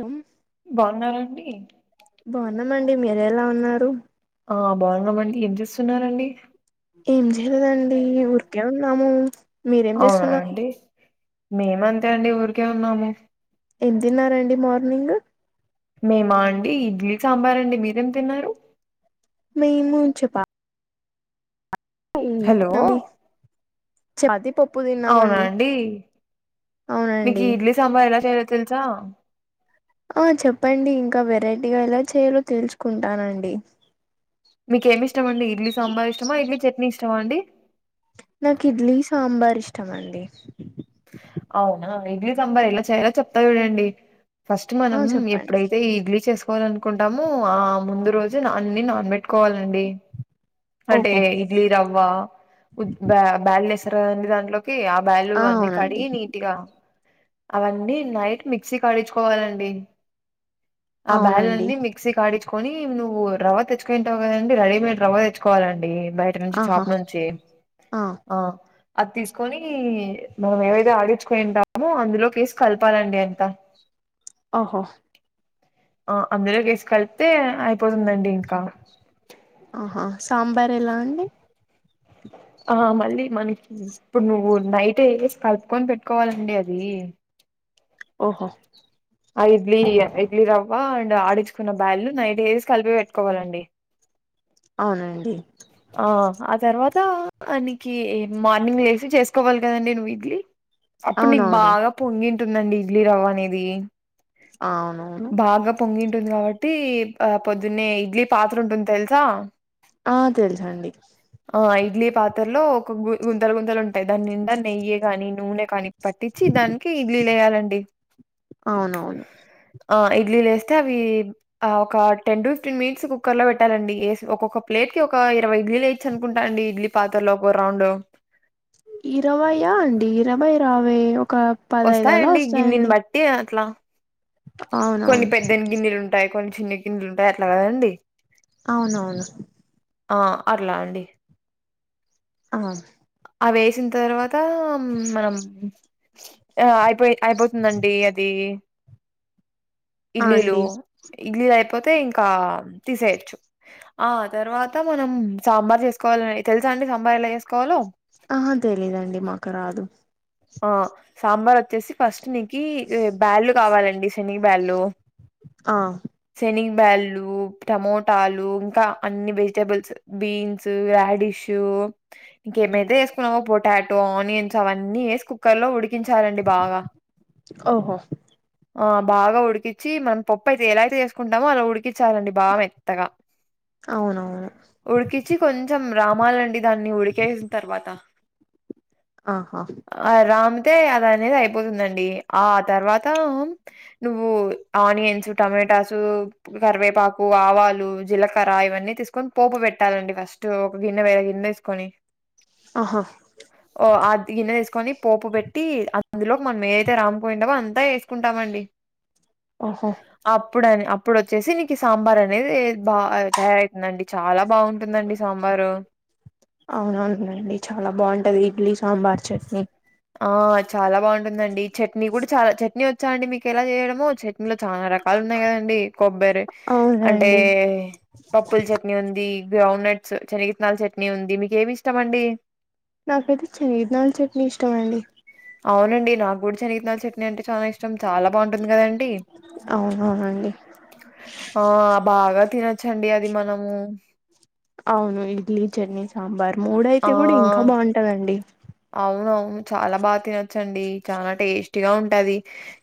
అం బాగున్నారండి బాగున్నామండి మీరు ఎలా ఉన్నారు ఆ బావున్నామండి ఏం చేస్తున్నారండి ఏం చేయలేదండి ఊరికే ఉన్నాము మీరేం అవునా చేస్తున్నారు అండి మేము అంతే అండి ఊరికే ఉన్నాము ఏం తిన్నారండి మార్నింగ్ మేమా అండి ఇడ్లీ సాంబార్ అండి మీరేం తిన్నారు మేము చిప హ్మ్ హలో అది ఛాతీ పప్పుది అవునా అండి మీకీ అవునండి ఇడ్లీ సాంబార్ ఎలా చేయలో తెలుసా హ్మ్ చెప్పండి ఇంకా వెరైటీగా ఎలా చేయాలో తెలుసుకుంటానండి మీకేమిష్టమండి ఇడ్లీ సాంబార్ ఇష్టమా ఇడ్లీ చట్నీ ఇష్టమా అండి నాకు ఇడ్లీ సాంబార్ ఇష్టమండి అవునా ఇడ్లీ సాంబార్ ఎలా చేయాలో చెప్తా చూడండి ఫస్ట్ ఆ మనం చెప్పండి ఎప్పుడైతే ఇడ్లీ చేసు కోవాల అనుకుంటాము ఆ ముందు రోజు అన్ని నాన్బెట్టుకోవాలండి అంటే ఓహో ఇడ్లీ రవ్వ ఉ బ బాల్ నెసరా అండి దాంట్లో ఆ బ్యాలు అన్నీ కడిగి నీ నీట్ గా అవన్నీ నైట్ మిక్సీ కాడించుకోవాలండి ఆ బ్యాల్ అవునండి అన్ని మిక్సీకి ఆడించుకొని నువ్వు రవ్వ తెచ్చుకుంటావు కదండి రెడీమేడ్ రవ్వ తెచ్చు కోవాలండి బయట నుంచి ఆహా షాప్ నుంచి ఆ అది తీసుకొని మనం ఏవైతే ఆడించుకు ఉంటామో అందులోకేసి కలపాలండి అంత ఓహో ఆ అందులో కేసికలిపితే అయిపోతుందండి ఇంకా ఆహా సాంబార్ ఎలా అండి ఆ మళ్ళీ మనకి ఇప్పుడు నువ్వు నైట్ ఏసి కలుపుకొని పెట్టుకోవాలండి అది ఓహో ఆ ఇడ్లీ ఇడ్లీ రవ్వ అండ్ ఆడించుకున్న దాల్లు నైట్ వేసి కలిపి పెట్టుకోవాలండి అవునండి ఆ ఆ తర్వాత నీకి మార్నింగ్ లేసి చేసుకోవాలి కదండి నువ్వు ఇడ్లీ అప్పుడు నీకు అవునవును బాగా పొంగింటుందండి ఇడ్లీ రవ్వ అనేది ఆవును బాగా పొంగింటుంది కాబట్టి ఆ పొద్దున్నే ఇడ్లీ పాత్ర ఉంటుంది తెలుసా ఆ తెలుసండి ఆ ఇడ్లీ పాత్రలో ఒక గుంతలు గుంతలు ఉంటాయి దాని నిండా నెయ్యే కాని నూనె కానీ పట్టించి దానికి ఇడ్లీలు ఏయాలండి అవునవును ఆ ఇడ్లీలేస్తే అవి ఆ ఒక టెన్ ఫిఫ్టీన్ మినిట్స్ కుక్కర్ లో పెట్టాలండి ఏ ఒక్కొక్క ప్లేట్ క ఒక ఇరవై ఇడ్లీలు వేయొచ్చు అనుకుంటా అండి ఇడ్లీ పాతలో ఒక రౌండ్ ఇరవైయ అండి ఇరవై రావే ఒక పదైదలా ఒస్తాయండి గిన్నెని వస్తాయండి బట్టి అట్లా కొన్ని అవునవును పెద్దని గిన్నెలుంటాయి కొన్ని చిన్న గిన్నెలు ఉంటాయి అట్లా కదండి అవునవును ఆ అట్లా అండి ఆ అవేసిన్ తర్వాత మనం ఆ పోయ్ అయిపోతుందండి అది ఆ ఇడ్లీలు, అండి ఇడ్లీలు అయిపోతే ఇంకా తీసేయచ్చు. ఆ తర్వాత మనం సాంబార్ చేసుకోవాల, తెలుసా అండి సాంబార్ ఎలా చేసుకోవాలో? ఆ తెలీదండి మాకు రాదు ఆ సాంబార్ వచ్చేసి ఫస్ట్ నీకి బ్యాళ్లుు కావాలండి, శనగ బ్యాళ్ళు. ఆ శనిగ బ్యాల్లు, టమోటాలు ఇంకా అన్ని వెజిటబుల్స్. బీన్సు, రాడిష్షు ఇంకేమైతే ఏసుకున్నావో పొటాటో, ఆనియన్స్ అవన్నీ ఏసు కుక్కర్ లో ఉడికించాలండి బాగా. ఓహో ఆ బాగా ఉడికిచ్చి మనం పప్పు అయితే ఎలా అయితే చేసుకుంటామో అలా ఉడికి చాలండి బాగ మెత్తగా, అవునవును ఉడికిచ్చి కొంచం రామాలండి దాన్ని ఉడికేసిన తర్వాత ఆహా ఆ రామ్తే అద అనేది అయిపోతుందండి, ఆ తర్వాత నువ్వు ఆనియన్స్, టమాటాసు కరివేపాకు, ఆవాలు జీలకర్ర ఇవన్నీ తీసుకొని పోపు పెట్టాలండి ఫస్టు. ఒక గిన్నె వే గిన్నె ఏసుకొని అహ ఓ అదిను కొని పోపు పెట్టి అందులో మనం ఏదైతే రామ్ కోయిండామో అంతా ఏసుకుంటామండి. ఒహో అప్పుడని అప్పుడు వచ్చేసి నీకి సాంబార్ అనేది బా తయారయితుందండి. చాలా బాగుంటుందండి సాంబారు. అవునవునునండి చాలా బాగుంటది ఇడ్లీ, సాంబార్, చట్నీ. ఆ చాలా బాగుంటుందండి చట్నీ కూడ చాలా, చట్నీ వచ్చా అండి మీక ఎలా చేయడమో? చ లో చాలా రకాలు ఉన్నాయి కదండి, కొబ్బరి అంటే అవునండి పప్పుల చెత్ ట్నీ ఉంది, గ్రౌండ్ నట్స్ శనగిత్తనాల చట్నీ ఉంది, మీకేమి ఇష్టం అండి? నాకైతే శనిగిత్తనాల చట్నీ ఇష్టమండి అవునండి నాకు గుడ శనాగిత్తనాల చట్నీ అంటే చాలా ఇష్టం, చాలా బాగుంటుంది కదండి. అవునవునండి. ఆ, బాగా తినోచ్చండి అది మనము. అవును ఇడ్లీ, చట్నీ, సాంబార్ ఆ మూడయితే గూడ ఇంకా బాగుంటదండి. అవునవును, చాలా బాగా తినొచ్చండి. చాలా టేస్టీగా ఉంటది.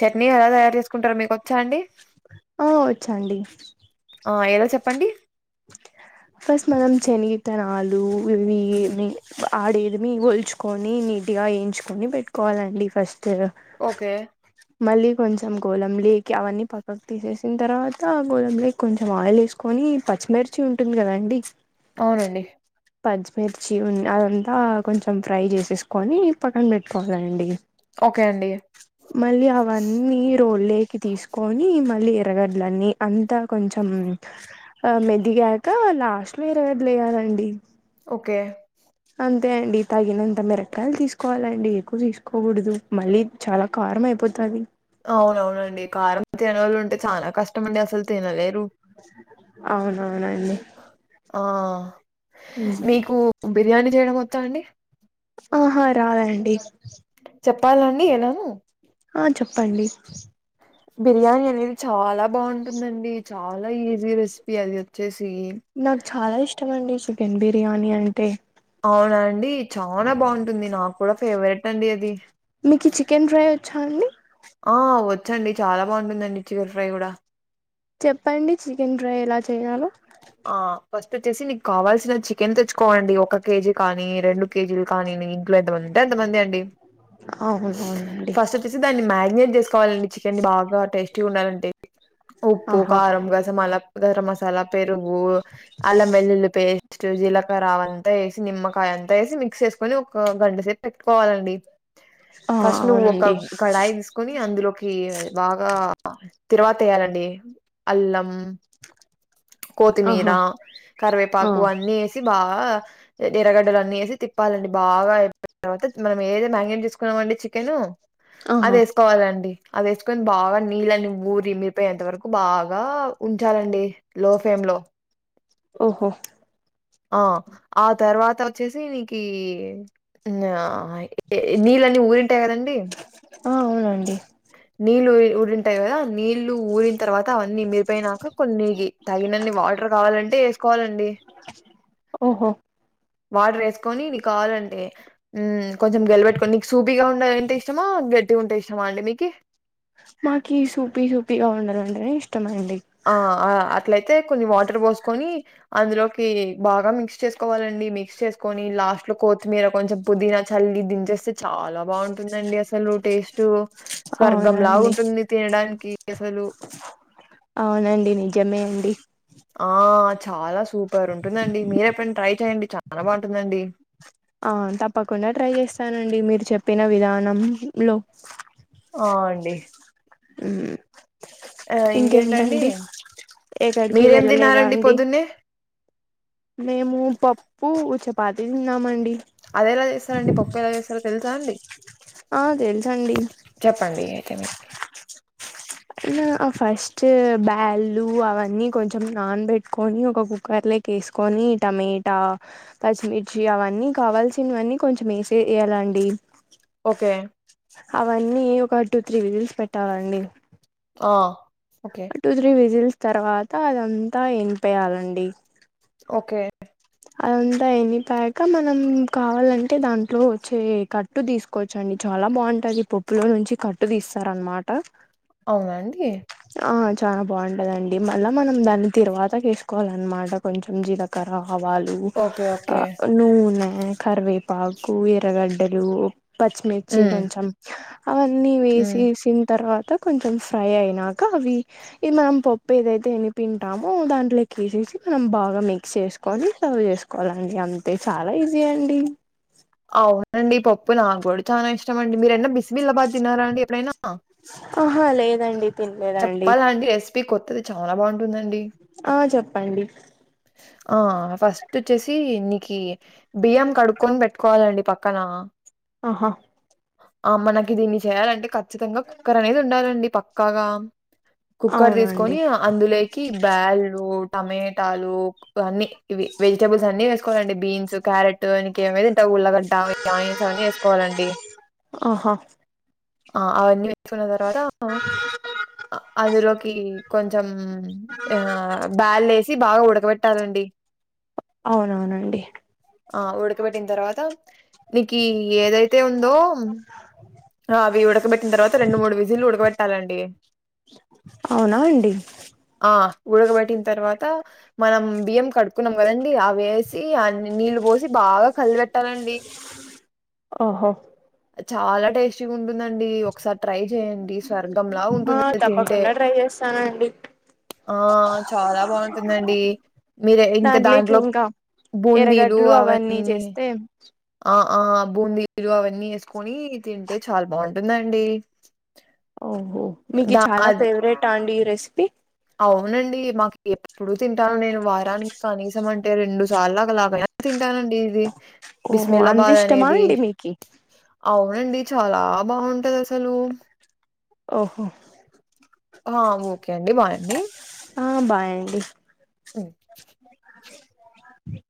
చట్నీ ఎలా తయారు చేసుకుంటారో, మీకొచ్చా అండి? ఆ వచ్చండి. ఆ, ఎలా చెప్పండి? ఫస్ట్ మనం శనగిత్తనాలు, ఇవి నీ ఆడేదిమి ఒల్చు కొని నీటిగ ఏయించుకొని పెట్టుకోవాలండి ఫస్టు ఓకే. మళ్లీ కొంచెం గోలం లికి అవన్నీ పక్కక్ తీసేసిన్ తర్వాత గోలం లికి కొంచెం ఆయిల్ ఎస్కొని పచ్చిమిర్చి ఉంటుంది కదండి అవునండి పచ్చిమిర్చి ఉ అదంతా కొంచెం ఫ్రై చేసేసుకొని పక్కన పెట్టుకోవాలండి ఓకే అండి మళ్లీ అవన్నీ రోలేకి తీస్కొని మళ్లీ ఎర్రగడ్లన్నీ అంతా కొంచెం ఆ మెదిగాక లాస్ట్ లో ఎర్రగడ్లలేయాలండి ఓకే అంతే అండి తగినంత మిరపకాయలు తీసుకోవాలండి ఎక్కువ తీసుకోకూడదు మళ్లీ చాలా కారం అయిపోతది అవునవునండి కారం తినానోళ్లు ఉంటే చానా కష్టం స్టమండి అసలు తినలేరు అవునవునండి ఆ మీకు బిర్యానీ చేయడం వచ్చా అండి ఆహా రాదండి చెప్పాల్నండి ఎలానో ఆ చెప్పండి బిర్యానీ అనేది చాలా బాగుంటుందండి చాలా ఈజీ రెసిపీ ఏదోచేసి నాకు చాలా ఇష్టమండి చికెన్ బిర్యానీ అంటే అవునా అండి చానా బాగుంటుంది నాకు కూడా ఫేవరెట్ అండి అది మీకి చికెన్ ఫ్రై వచ్చా అండి ఆ వచ్చండి చాలా బాగుంటుందండి చికెన్ ఫ్రై గూడ చెప్పండి చికెన్ ఫ్రై ఎలా చేయాలో ఆ ఫస్ట్ వచ్చేసి మిక్ కావాల్సిన చికెన్ తెచ్చుకోవలండి ఒక కేజీ కానీ రెండు కేజీలు కానీ మీ ఇంట్లో ఎంత మంది ఉంటే అంత మంది అండి అవునవునండి ఫస్ట్ తీసి దాన్ని మ్యాగ్నెట్ చేస్కోవాలడి చికెన్ బాగా టేస్టీగా ఉండాలంటే ఉప్పు ఆహా కారం గసమాల గరం మసాలాపేరు. పెరుగు అల్లం మెల్లుల్లి పేస్ట్ జీలకర్ర వం అంతా వేసి నిమ్మకాయంత ఎసి మిక్స్ చేస్కొని ఒక గంటసేపు పెట్టుకోవాలండి ఆ ఫస్ట్ నువు ఒక అవునండి కడాయి తీస్ కొని అందులోకి బాగా తిర్వాత వేయ్యాలండి అల్లం కోత్తిమీర ఆహా ఆ కరివేపాకు అన్నీ వేసి బాగా ఎర్రగడ్డలు అన్ని ఎసి తిప్పాలండి బాగా అయిపోయిన తర్వాత మనం ఏదో మ్యాగ్నెట్ తీసుకున్నామ అండి చికెను ఆహా అదేస్ వాలండి అది వేసుకొని బాగా నీళ్లన్నీ ఊరి మిరిపోయేంత వరకు బాగా ఉంచాలండి లో ఫ్లేమ్‌లో ఓహో ఆ ఆ తర్వాత వచ్చేసి నీకి ఆ నీళ్లన్నీ ఊరింటాయి కదండి ఆ అవునండి నీళ్లు వి ఊరింటయ్ కదా నీళ్లు ఊరి తర్వాత అన్నీ ఇమిపోయినాక కొన్ని ఇ తగినన్ని వాటర్ కావాలంటే ఎస్కోవాలండి ఓహో వాట్రేసుకొని నీ కావాలంటే మ్మ్ కొంచెం గెలుబెటుకో నీకు సూపీగా ఉండేదంటే ఇష్టమా గట్టిగుంటే ఇష్టమా అండి మీకి నాకి సూపీ సూపీగా ఉండదంటేనే ఇష్టమండి ఆ ఆ అట్లైతే కొన్ని వాటర్ పోసుకొని అందులోకి బాగా మిక్స్ చేసుకోవాలండి మిక్స్ చేసుకొని లాస్ట్ లో కొత్తిమీర కొంచెం పుదీనా చల్లి దించేస్తే చాలా బావుంటుందండి అసలు టేస్ట్ స్వర్గంలా అవునండి ఉంటుంది తినడానికి అసలు అవునండి నిజమే అండి ఆ చాలా సూపర్ ఉంటుందండి మీరేప్పుడనా ట్రై చెయండి చానా బాగుంటుందండి ఆ తప్పకుండా ట్రై చేస్తానండి మీరు చెప్పిన విధానంలో ఆ అండి హుమ్ ఇంకేంటండి ఎక్కడికి మీరేం వెళ్ళలేదా తిన్నారండి అండి పొద్దున్నే? మేము పప్పు చపాతి తిన్నామండి అదెలా చేసారండి పప్పు ఎలా చేసారో తెలుసాండి ఆ తెల్సండీ చెప్పండి అయితే ఫస్ట్ బ్యాల్లు అవన్నీ కొంచెం నాన్బెట్టుకొని ఒక కుక్కర్ లే తీసుకొని టమేటా పచ్చిమిర్చి అవన్నీ కావల్సినవన్నీ కొంచెం ఏసే ఏయాలండి ఓకే అవన్నీ ఒక టూ త్రీ విజిల్స్ పెట్టాలండి ఆ ఓకే టూ త్రీ విజిల్స్ తర్వాత అదంతా ఎన్పేయాలండి ఓకే అదంతా ఎనిపాక మనం కావాలంటే దాంట్లో వచ్చే కట్ తీసుకోచ్చండి చాలా బావుంటది పప్పులో నుంచి కట్టు తీసారన్మాట అవునండి ఆ చాలా బావుంటదండి మళ్ళా మనం దాన్ని తిర్వాత కేసుకోవాలన్మాట కొంచెం జీలకర్ర ఆవాలు ఓకే. ఓకే. అ నూనె కరివేపాకు ఎర్రగడ్డలు పచ్చిమిర్చి హ్మ్. కొంచెం అవన్నీ హ్మ్. వేసేసిన్ తర్వాత కొంచెం ఫ్రై అయినాక అవి ఇ మనం పప్పు ఏదైతే ఎనిపింటామో దాంట్లోకి ఏసేసి మనం బాగా మిక్స్ చేసు కొని సర్వ్ చేసుకోవాలండి అంతే చాలా ఈజీ అండి అవునండి పప్పు నా గూడా చాలా ఇష్టం అండి మీరేన్న బిస్మిలాబాత్ తిన్నరా అండి ఎప్పుడైనా అహా లేదండి తినలేదండి చెప్పలా అండి రెసిపీ కొత్తది చాలా బావుంటుందండి ఆ చెప్పండి ఆ ఫస్ట్ వచ్చేసి నీకి బియ్యం కడుక్కొనీ పెట్టుకొవాలండి పక్కన అహా ఆ మనకి దీన్ని చేయాలంటే ఖచ్చితంగా కుక్కర్ అనేది ఉండాలండి పక్కాగా కుక్కర్ అవునండి తీసుకొని అందులోకి బ్యాళ్లు టమేటాలు వన్నీ ఇవి వెజటబుల్స్ అన్ని వేసుకోవాలండి బీన్స్ క్యారెట్ లోనికి ఏమే ఉల్లగడ్డ ఆ ఆనియన్స్ అవన్నీ వేసుకోవాలండి ఆహా ఆ అవన్నీ వేసుకున్న తర్వాత అందులోకి కొంచెం ఆ బ్యాల్ వేసి బాగా ఉడకబెట్టాలండి అవునవును అండి ఆ ఉడకబెట్టిన తర్వాత నీకి ఏదైతే ఉందో అవి ఉడకబెట్టిన తర్వాత రెండు మూడు విజిలు ఉడకబెట్టాలండి అవునా అండి ఆ ఉడకబెట్టిన తర్వాత మనం బియ్యం కడుకున్నాం కదండి అవి వేసి అ నీళ్లు పోసి బాగా కలి పెట్టాలండి ఓహో చాలా టేస్ట్ చ్చి ఉంటుందండి ఒకసారి ట్రై చేయండి స్వర్గం లా ఆ ఉంటుంది తింటే తప్పకుండా ట్రై చేస్తానండి ఆ చాలా బాగుంటుందండి మీరే ఇంకా దాంట్లోకి దాంట్లో ఇంకా బూందీలు ఎర్రగడ్లు అవన్నీ చేస్తే ఆ ఆ బూందీలు అవన్నీ వెస్ కుని తింటే చాలా బాగుంటుంది అండి ఓహో మీకు చాలా ఫేవరెట్ ఆ అండి ఈ రెసిపీ అవునండి మాకు ఎప్పుడు తింటాను నేను వారానికి కనీసం అంటే రెండు సార్లు అలాగా తింటానండి ఇది ఓహో అంత బిస్మిల్లాబాద్ ఇష్టమా అనేది అండి మీకి అవునండి చాలా బాగుంటది అసలు ఓహో ఆ ఓకే అండి బాయ్ అండి ఆ బాయ్ అండి హ్మ్.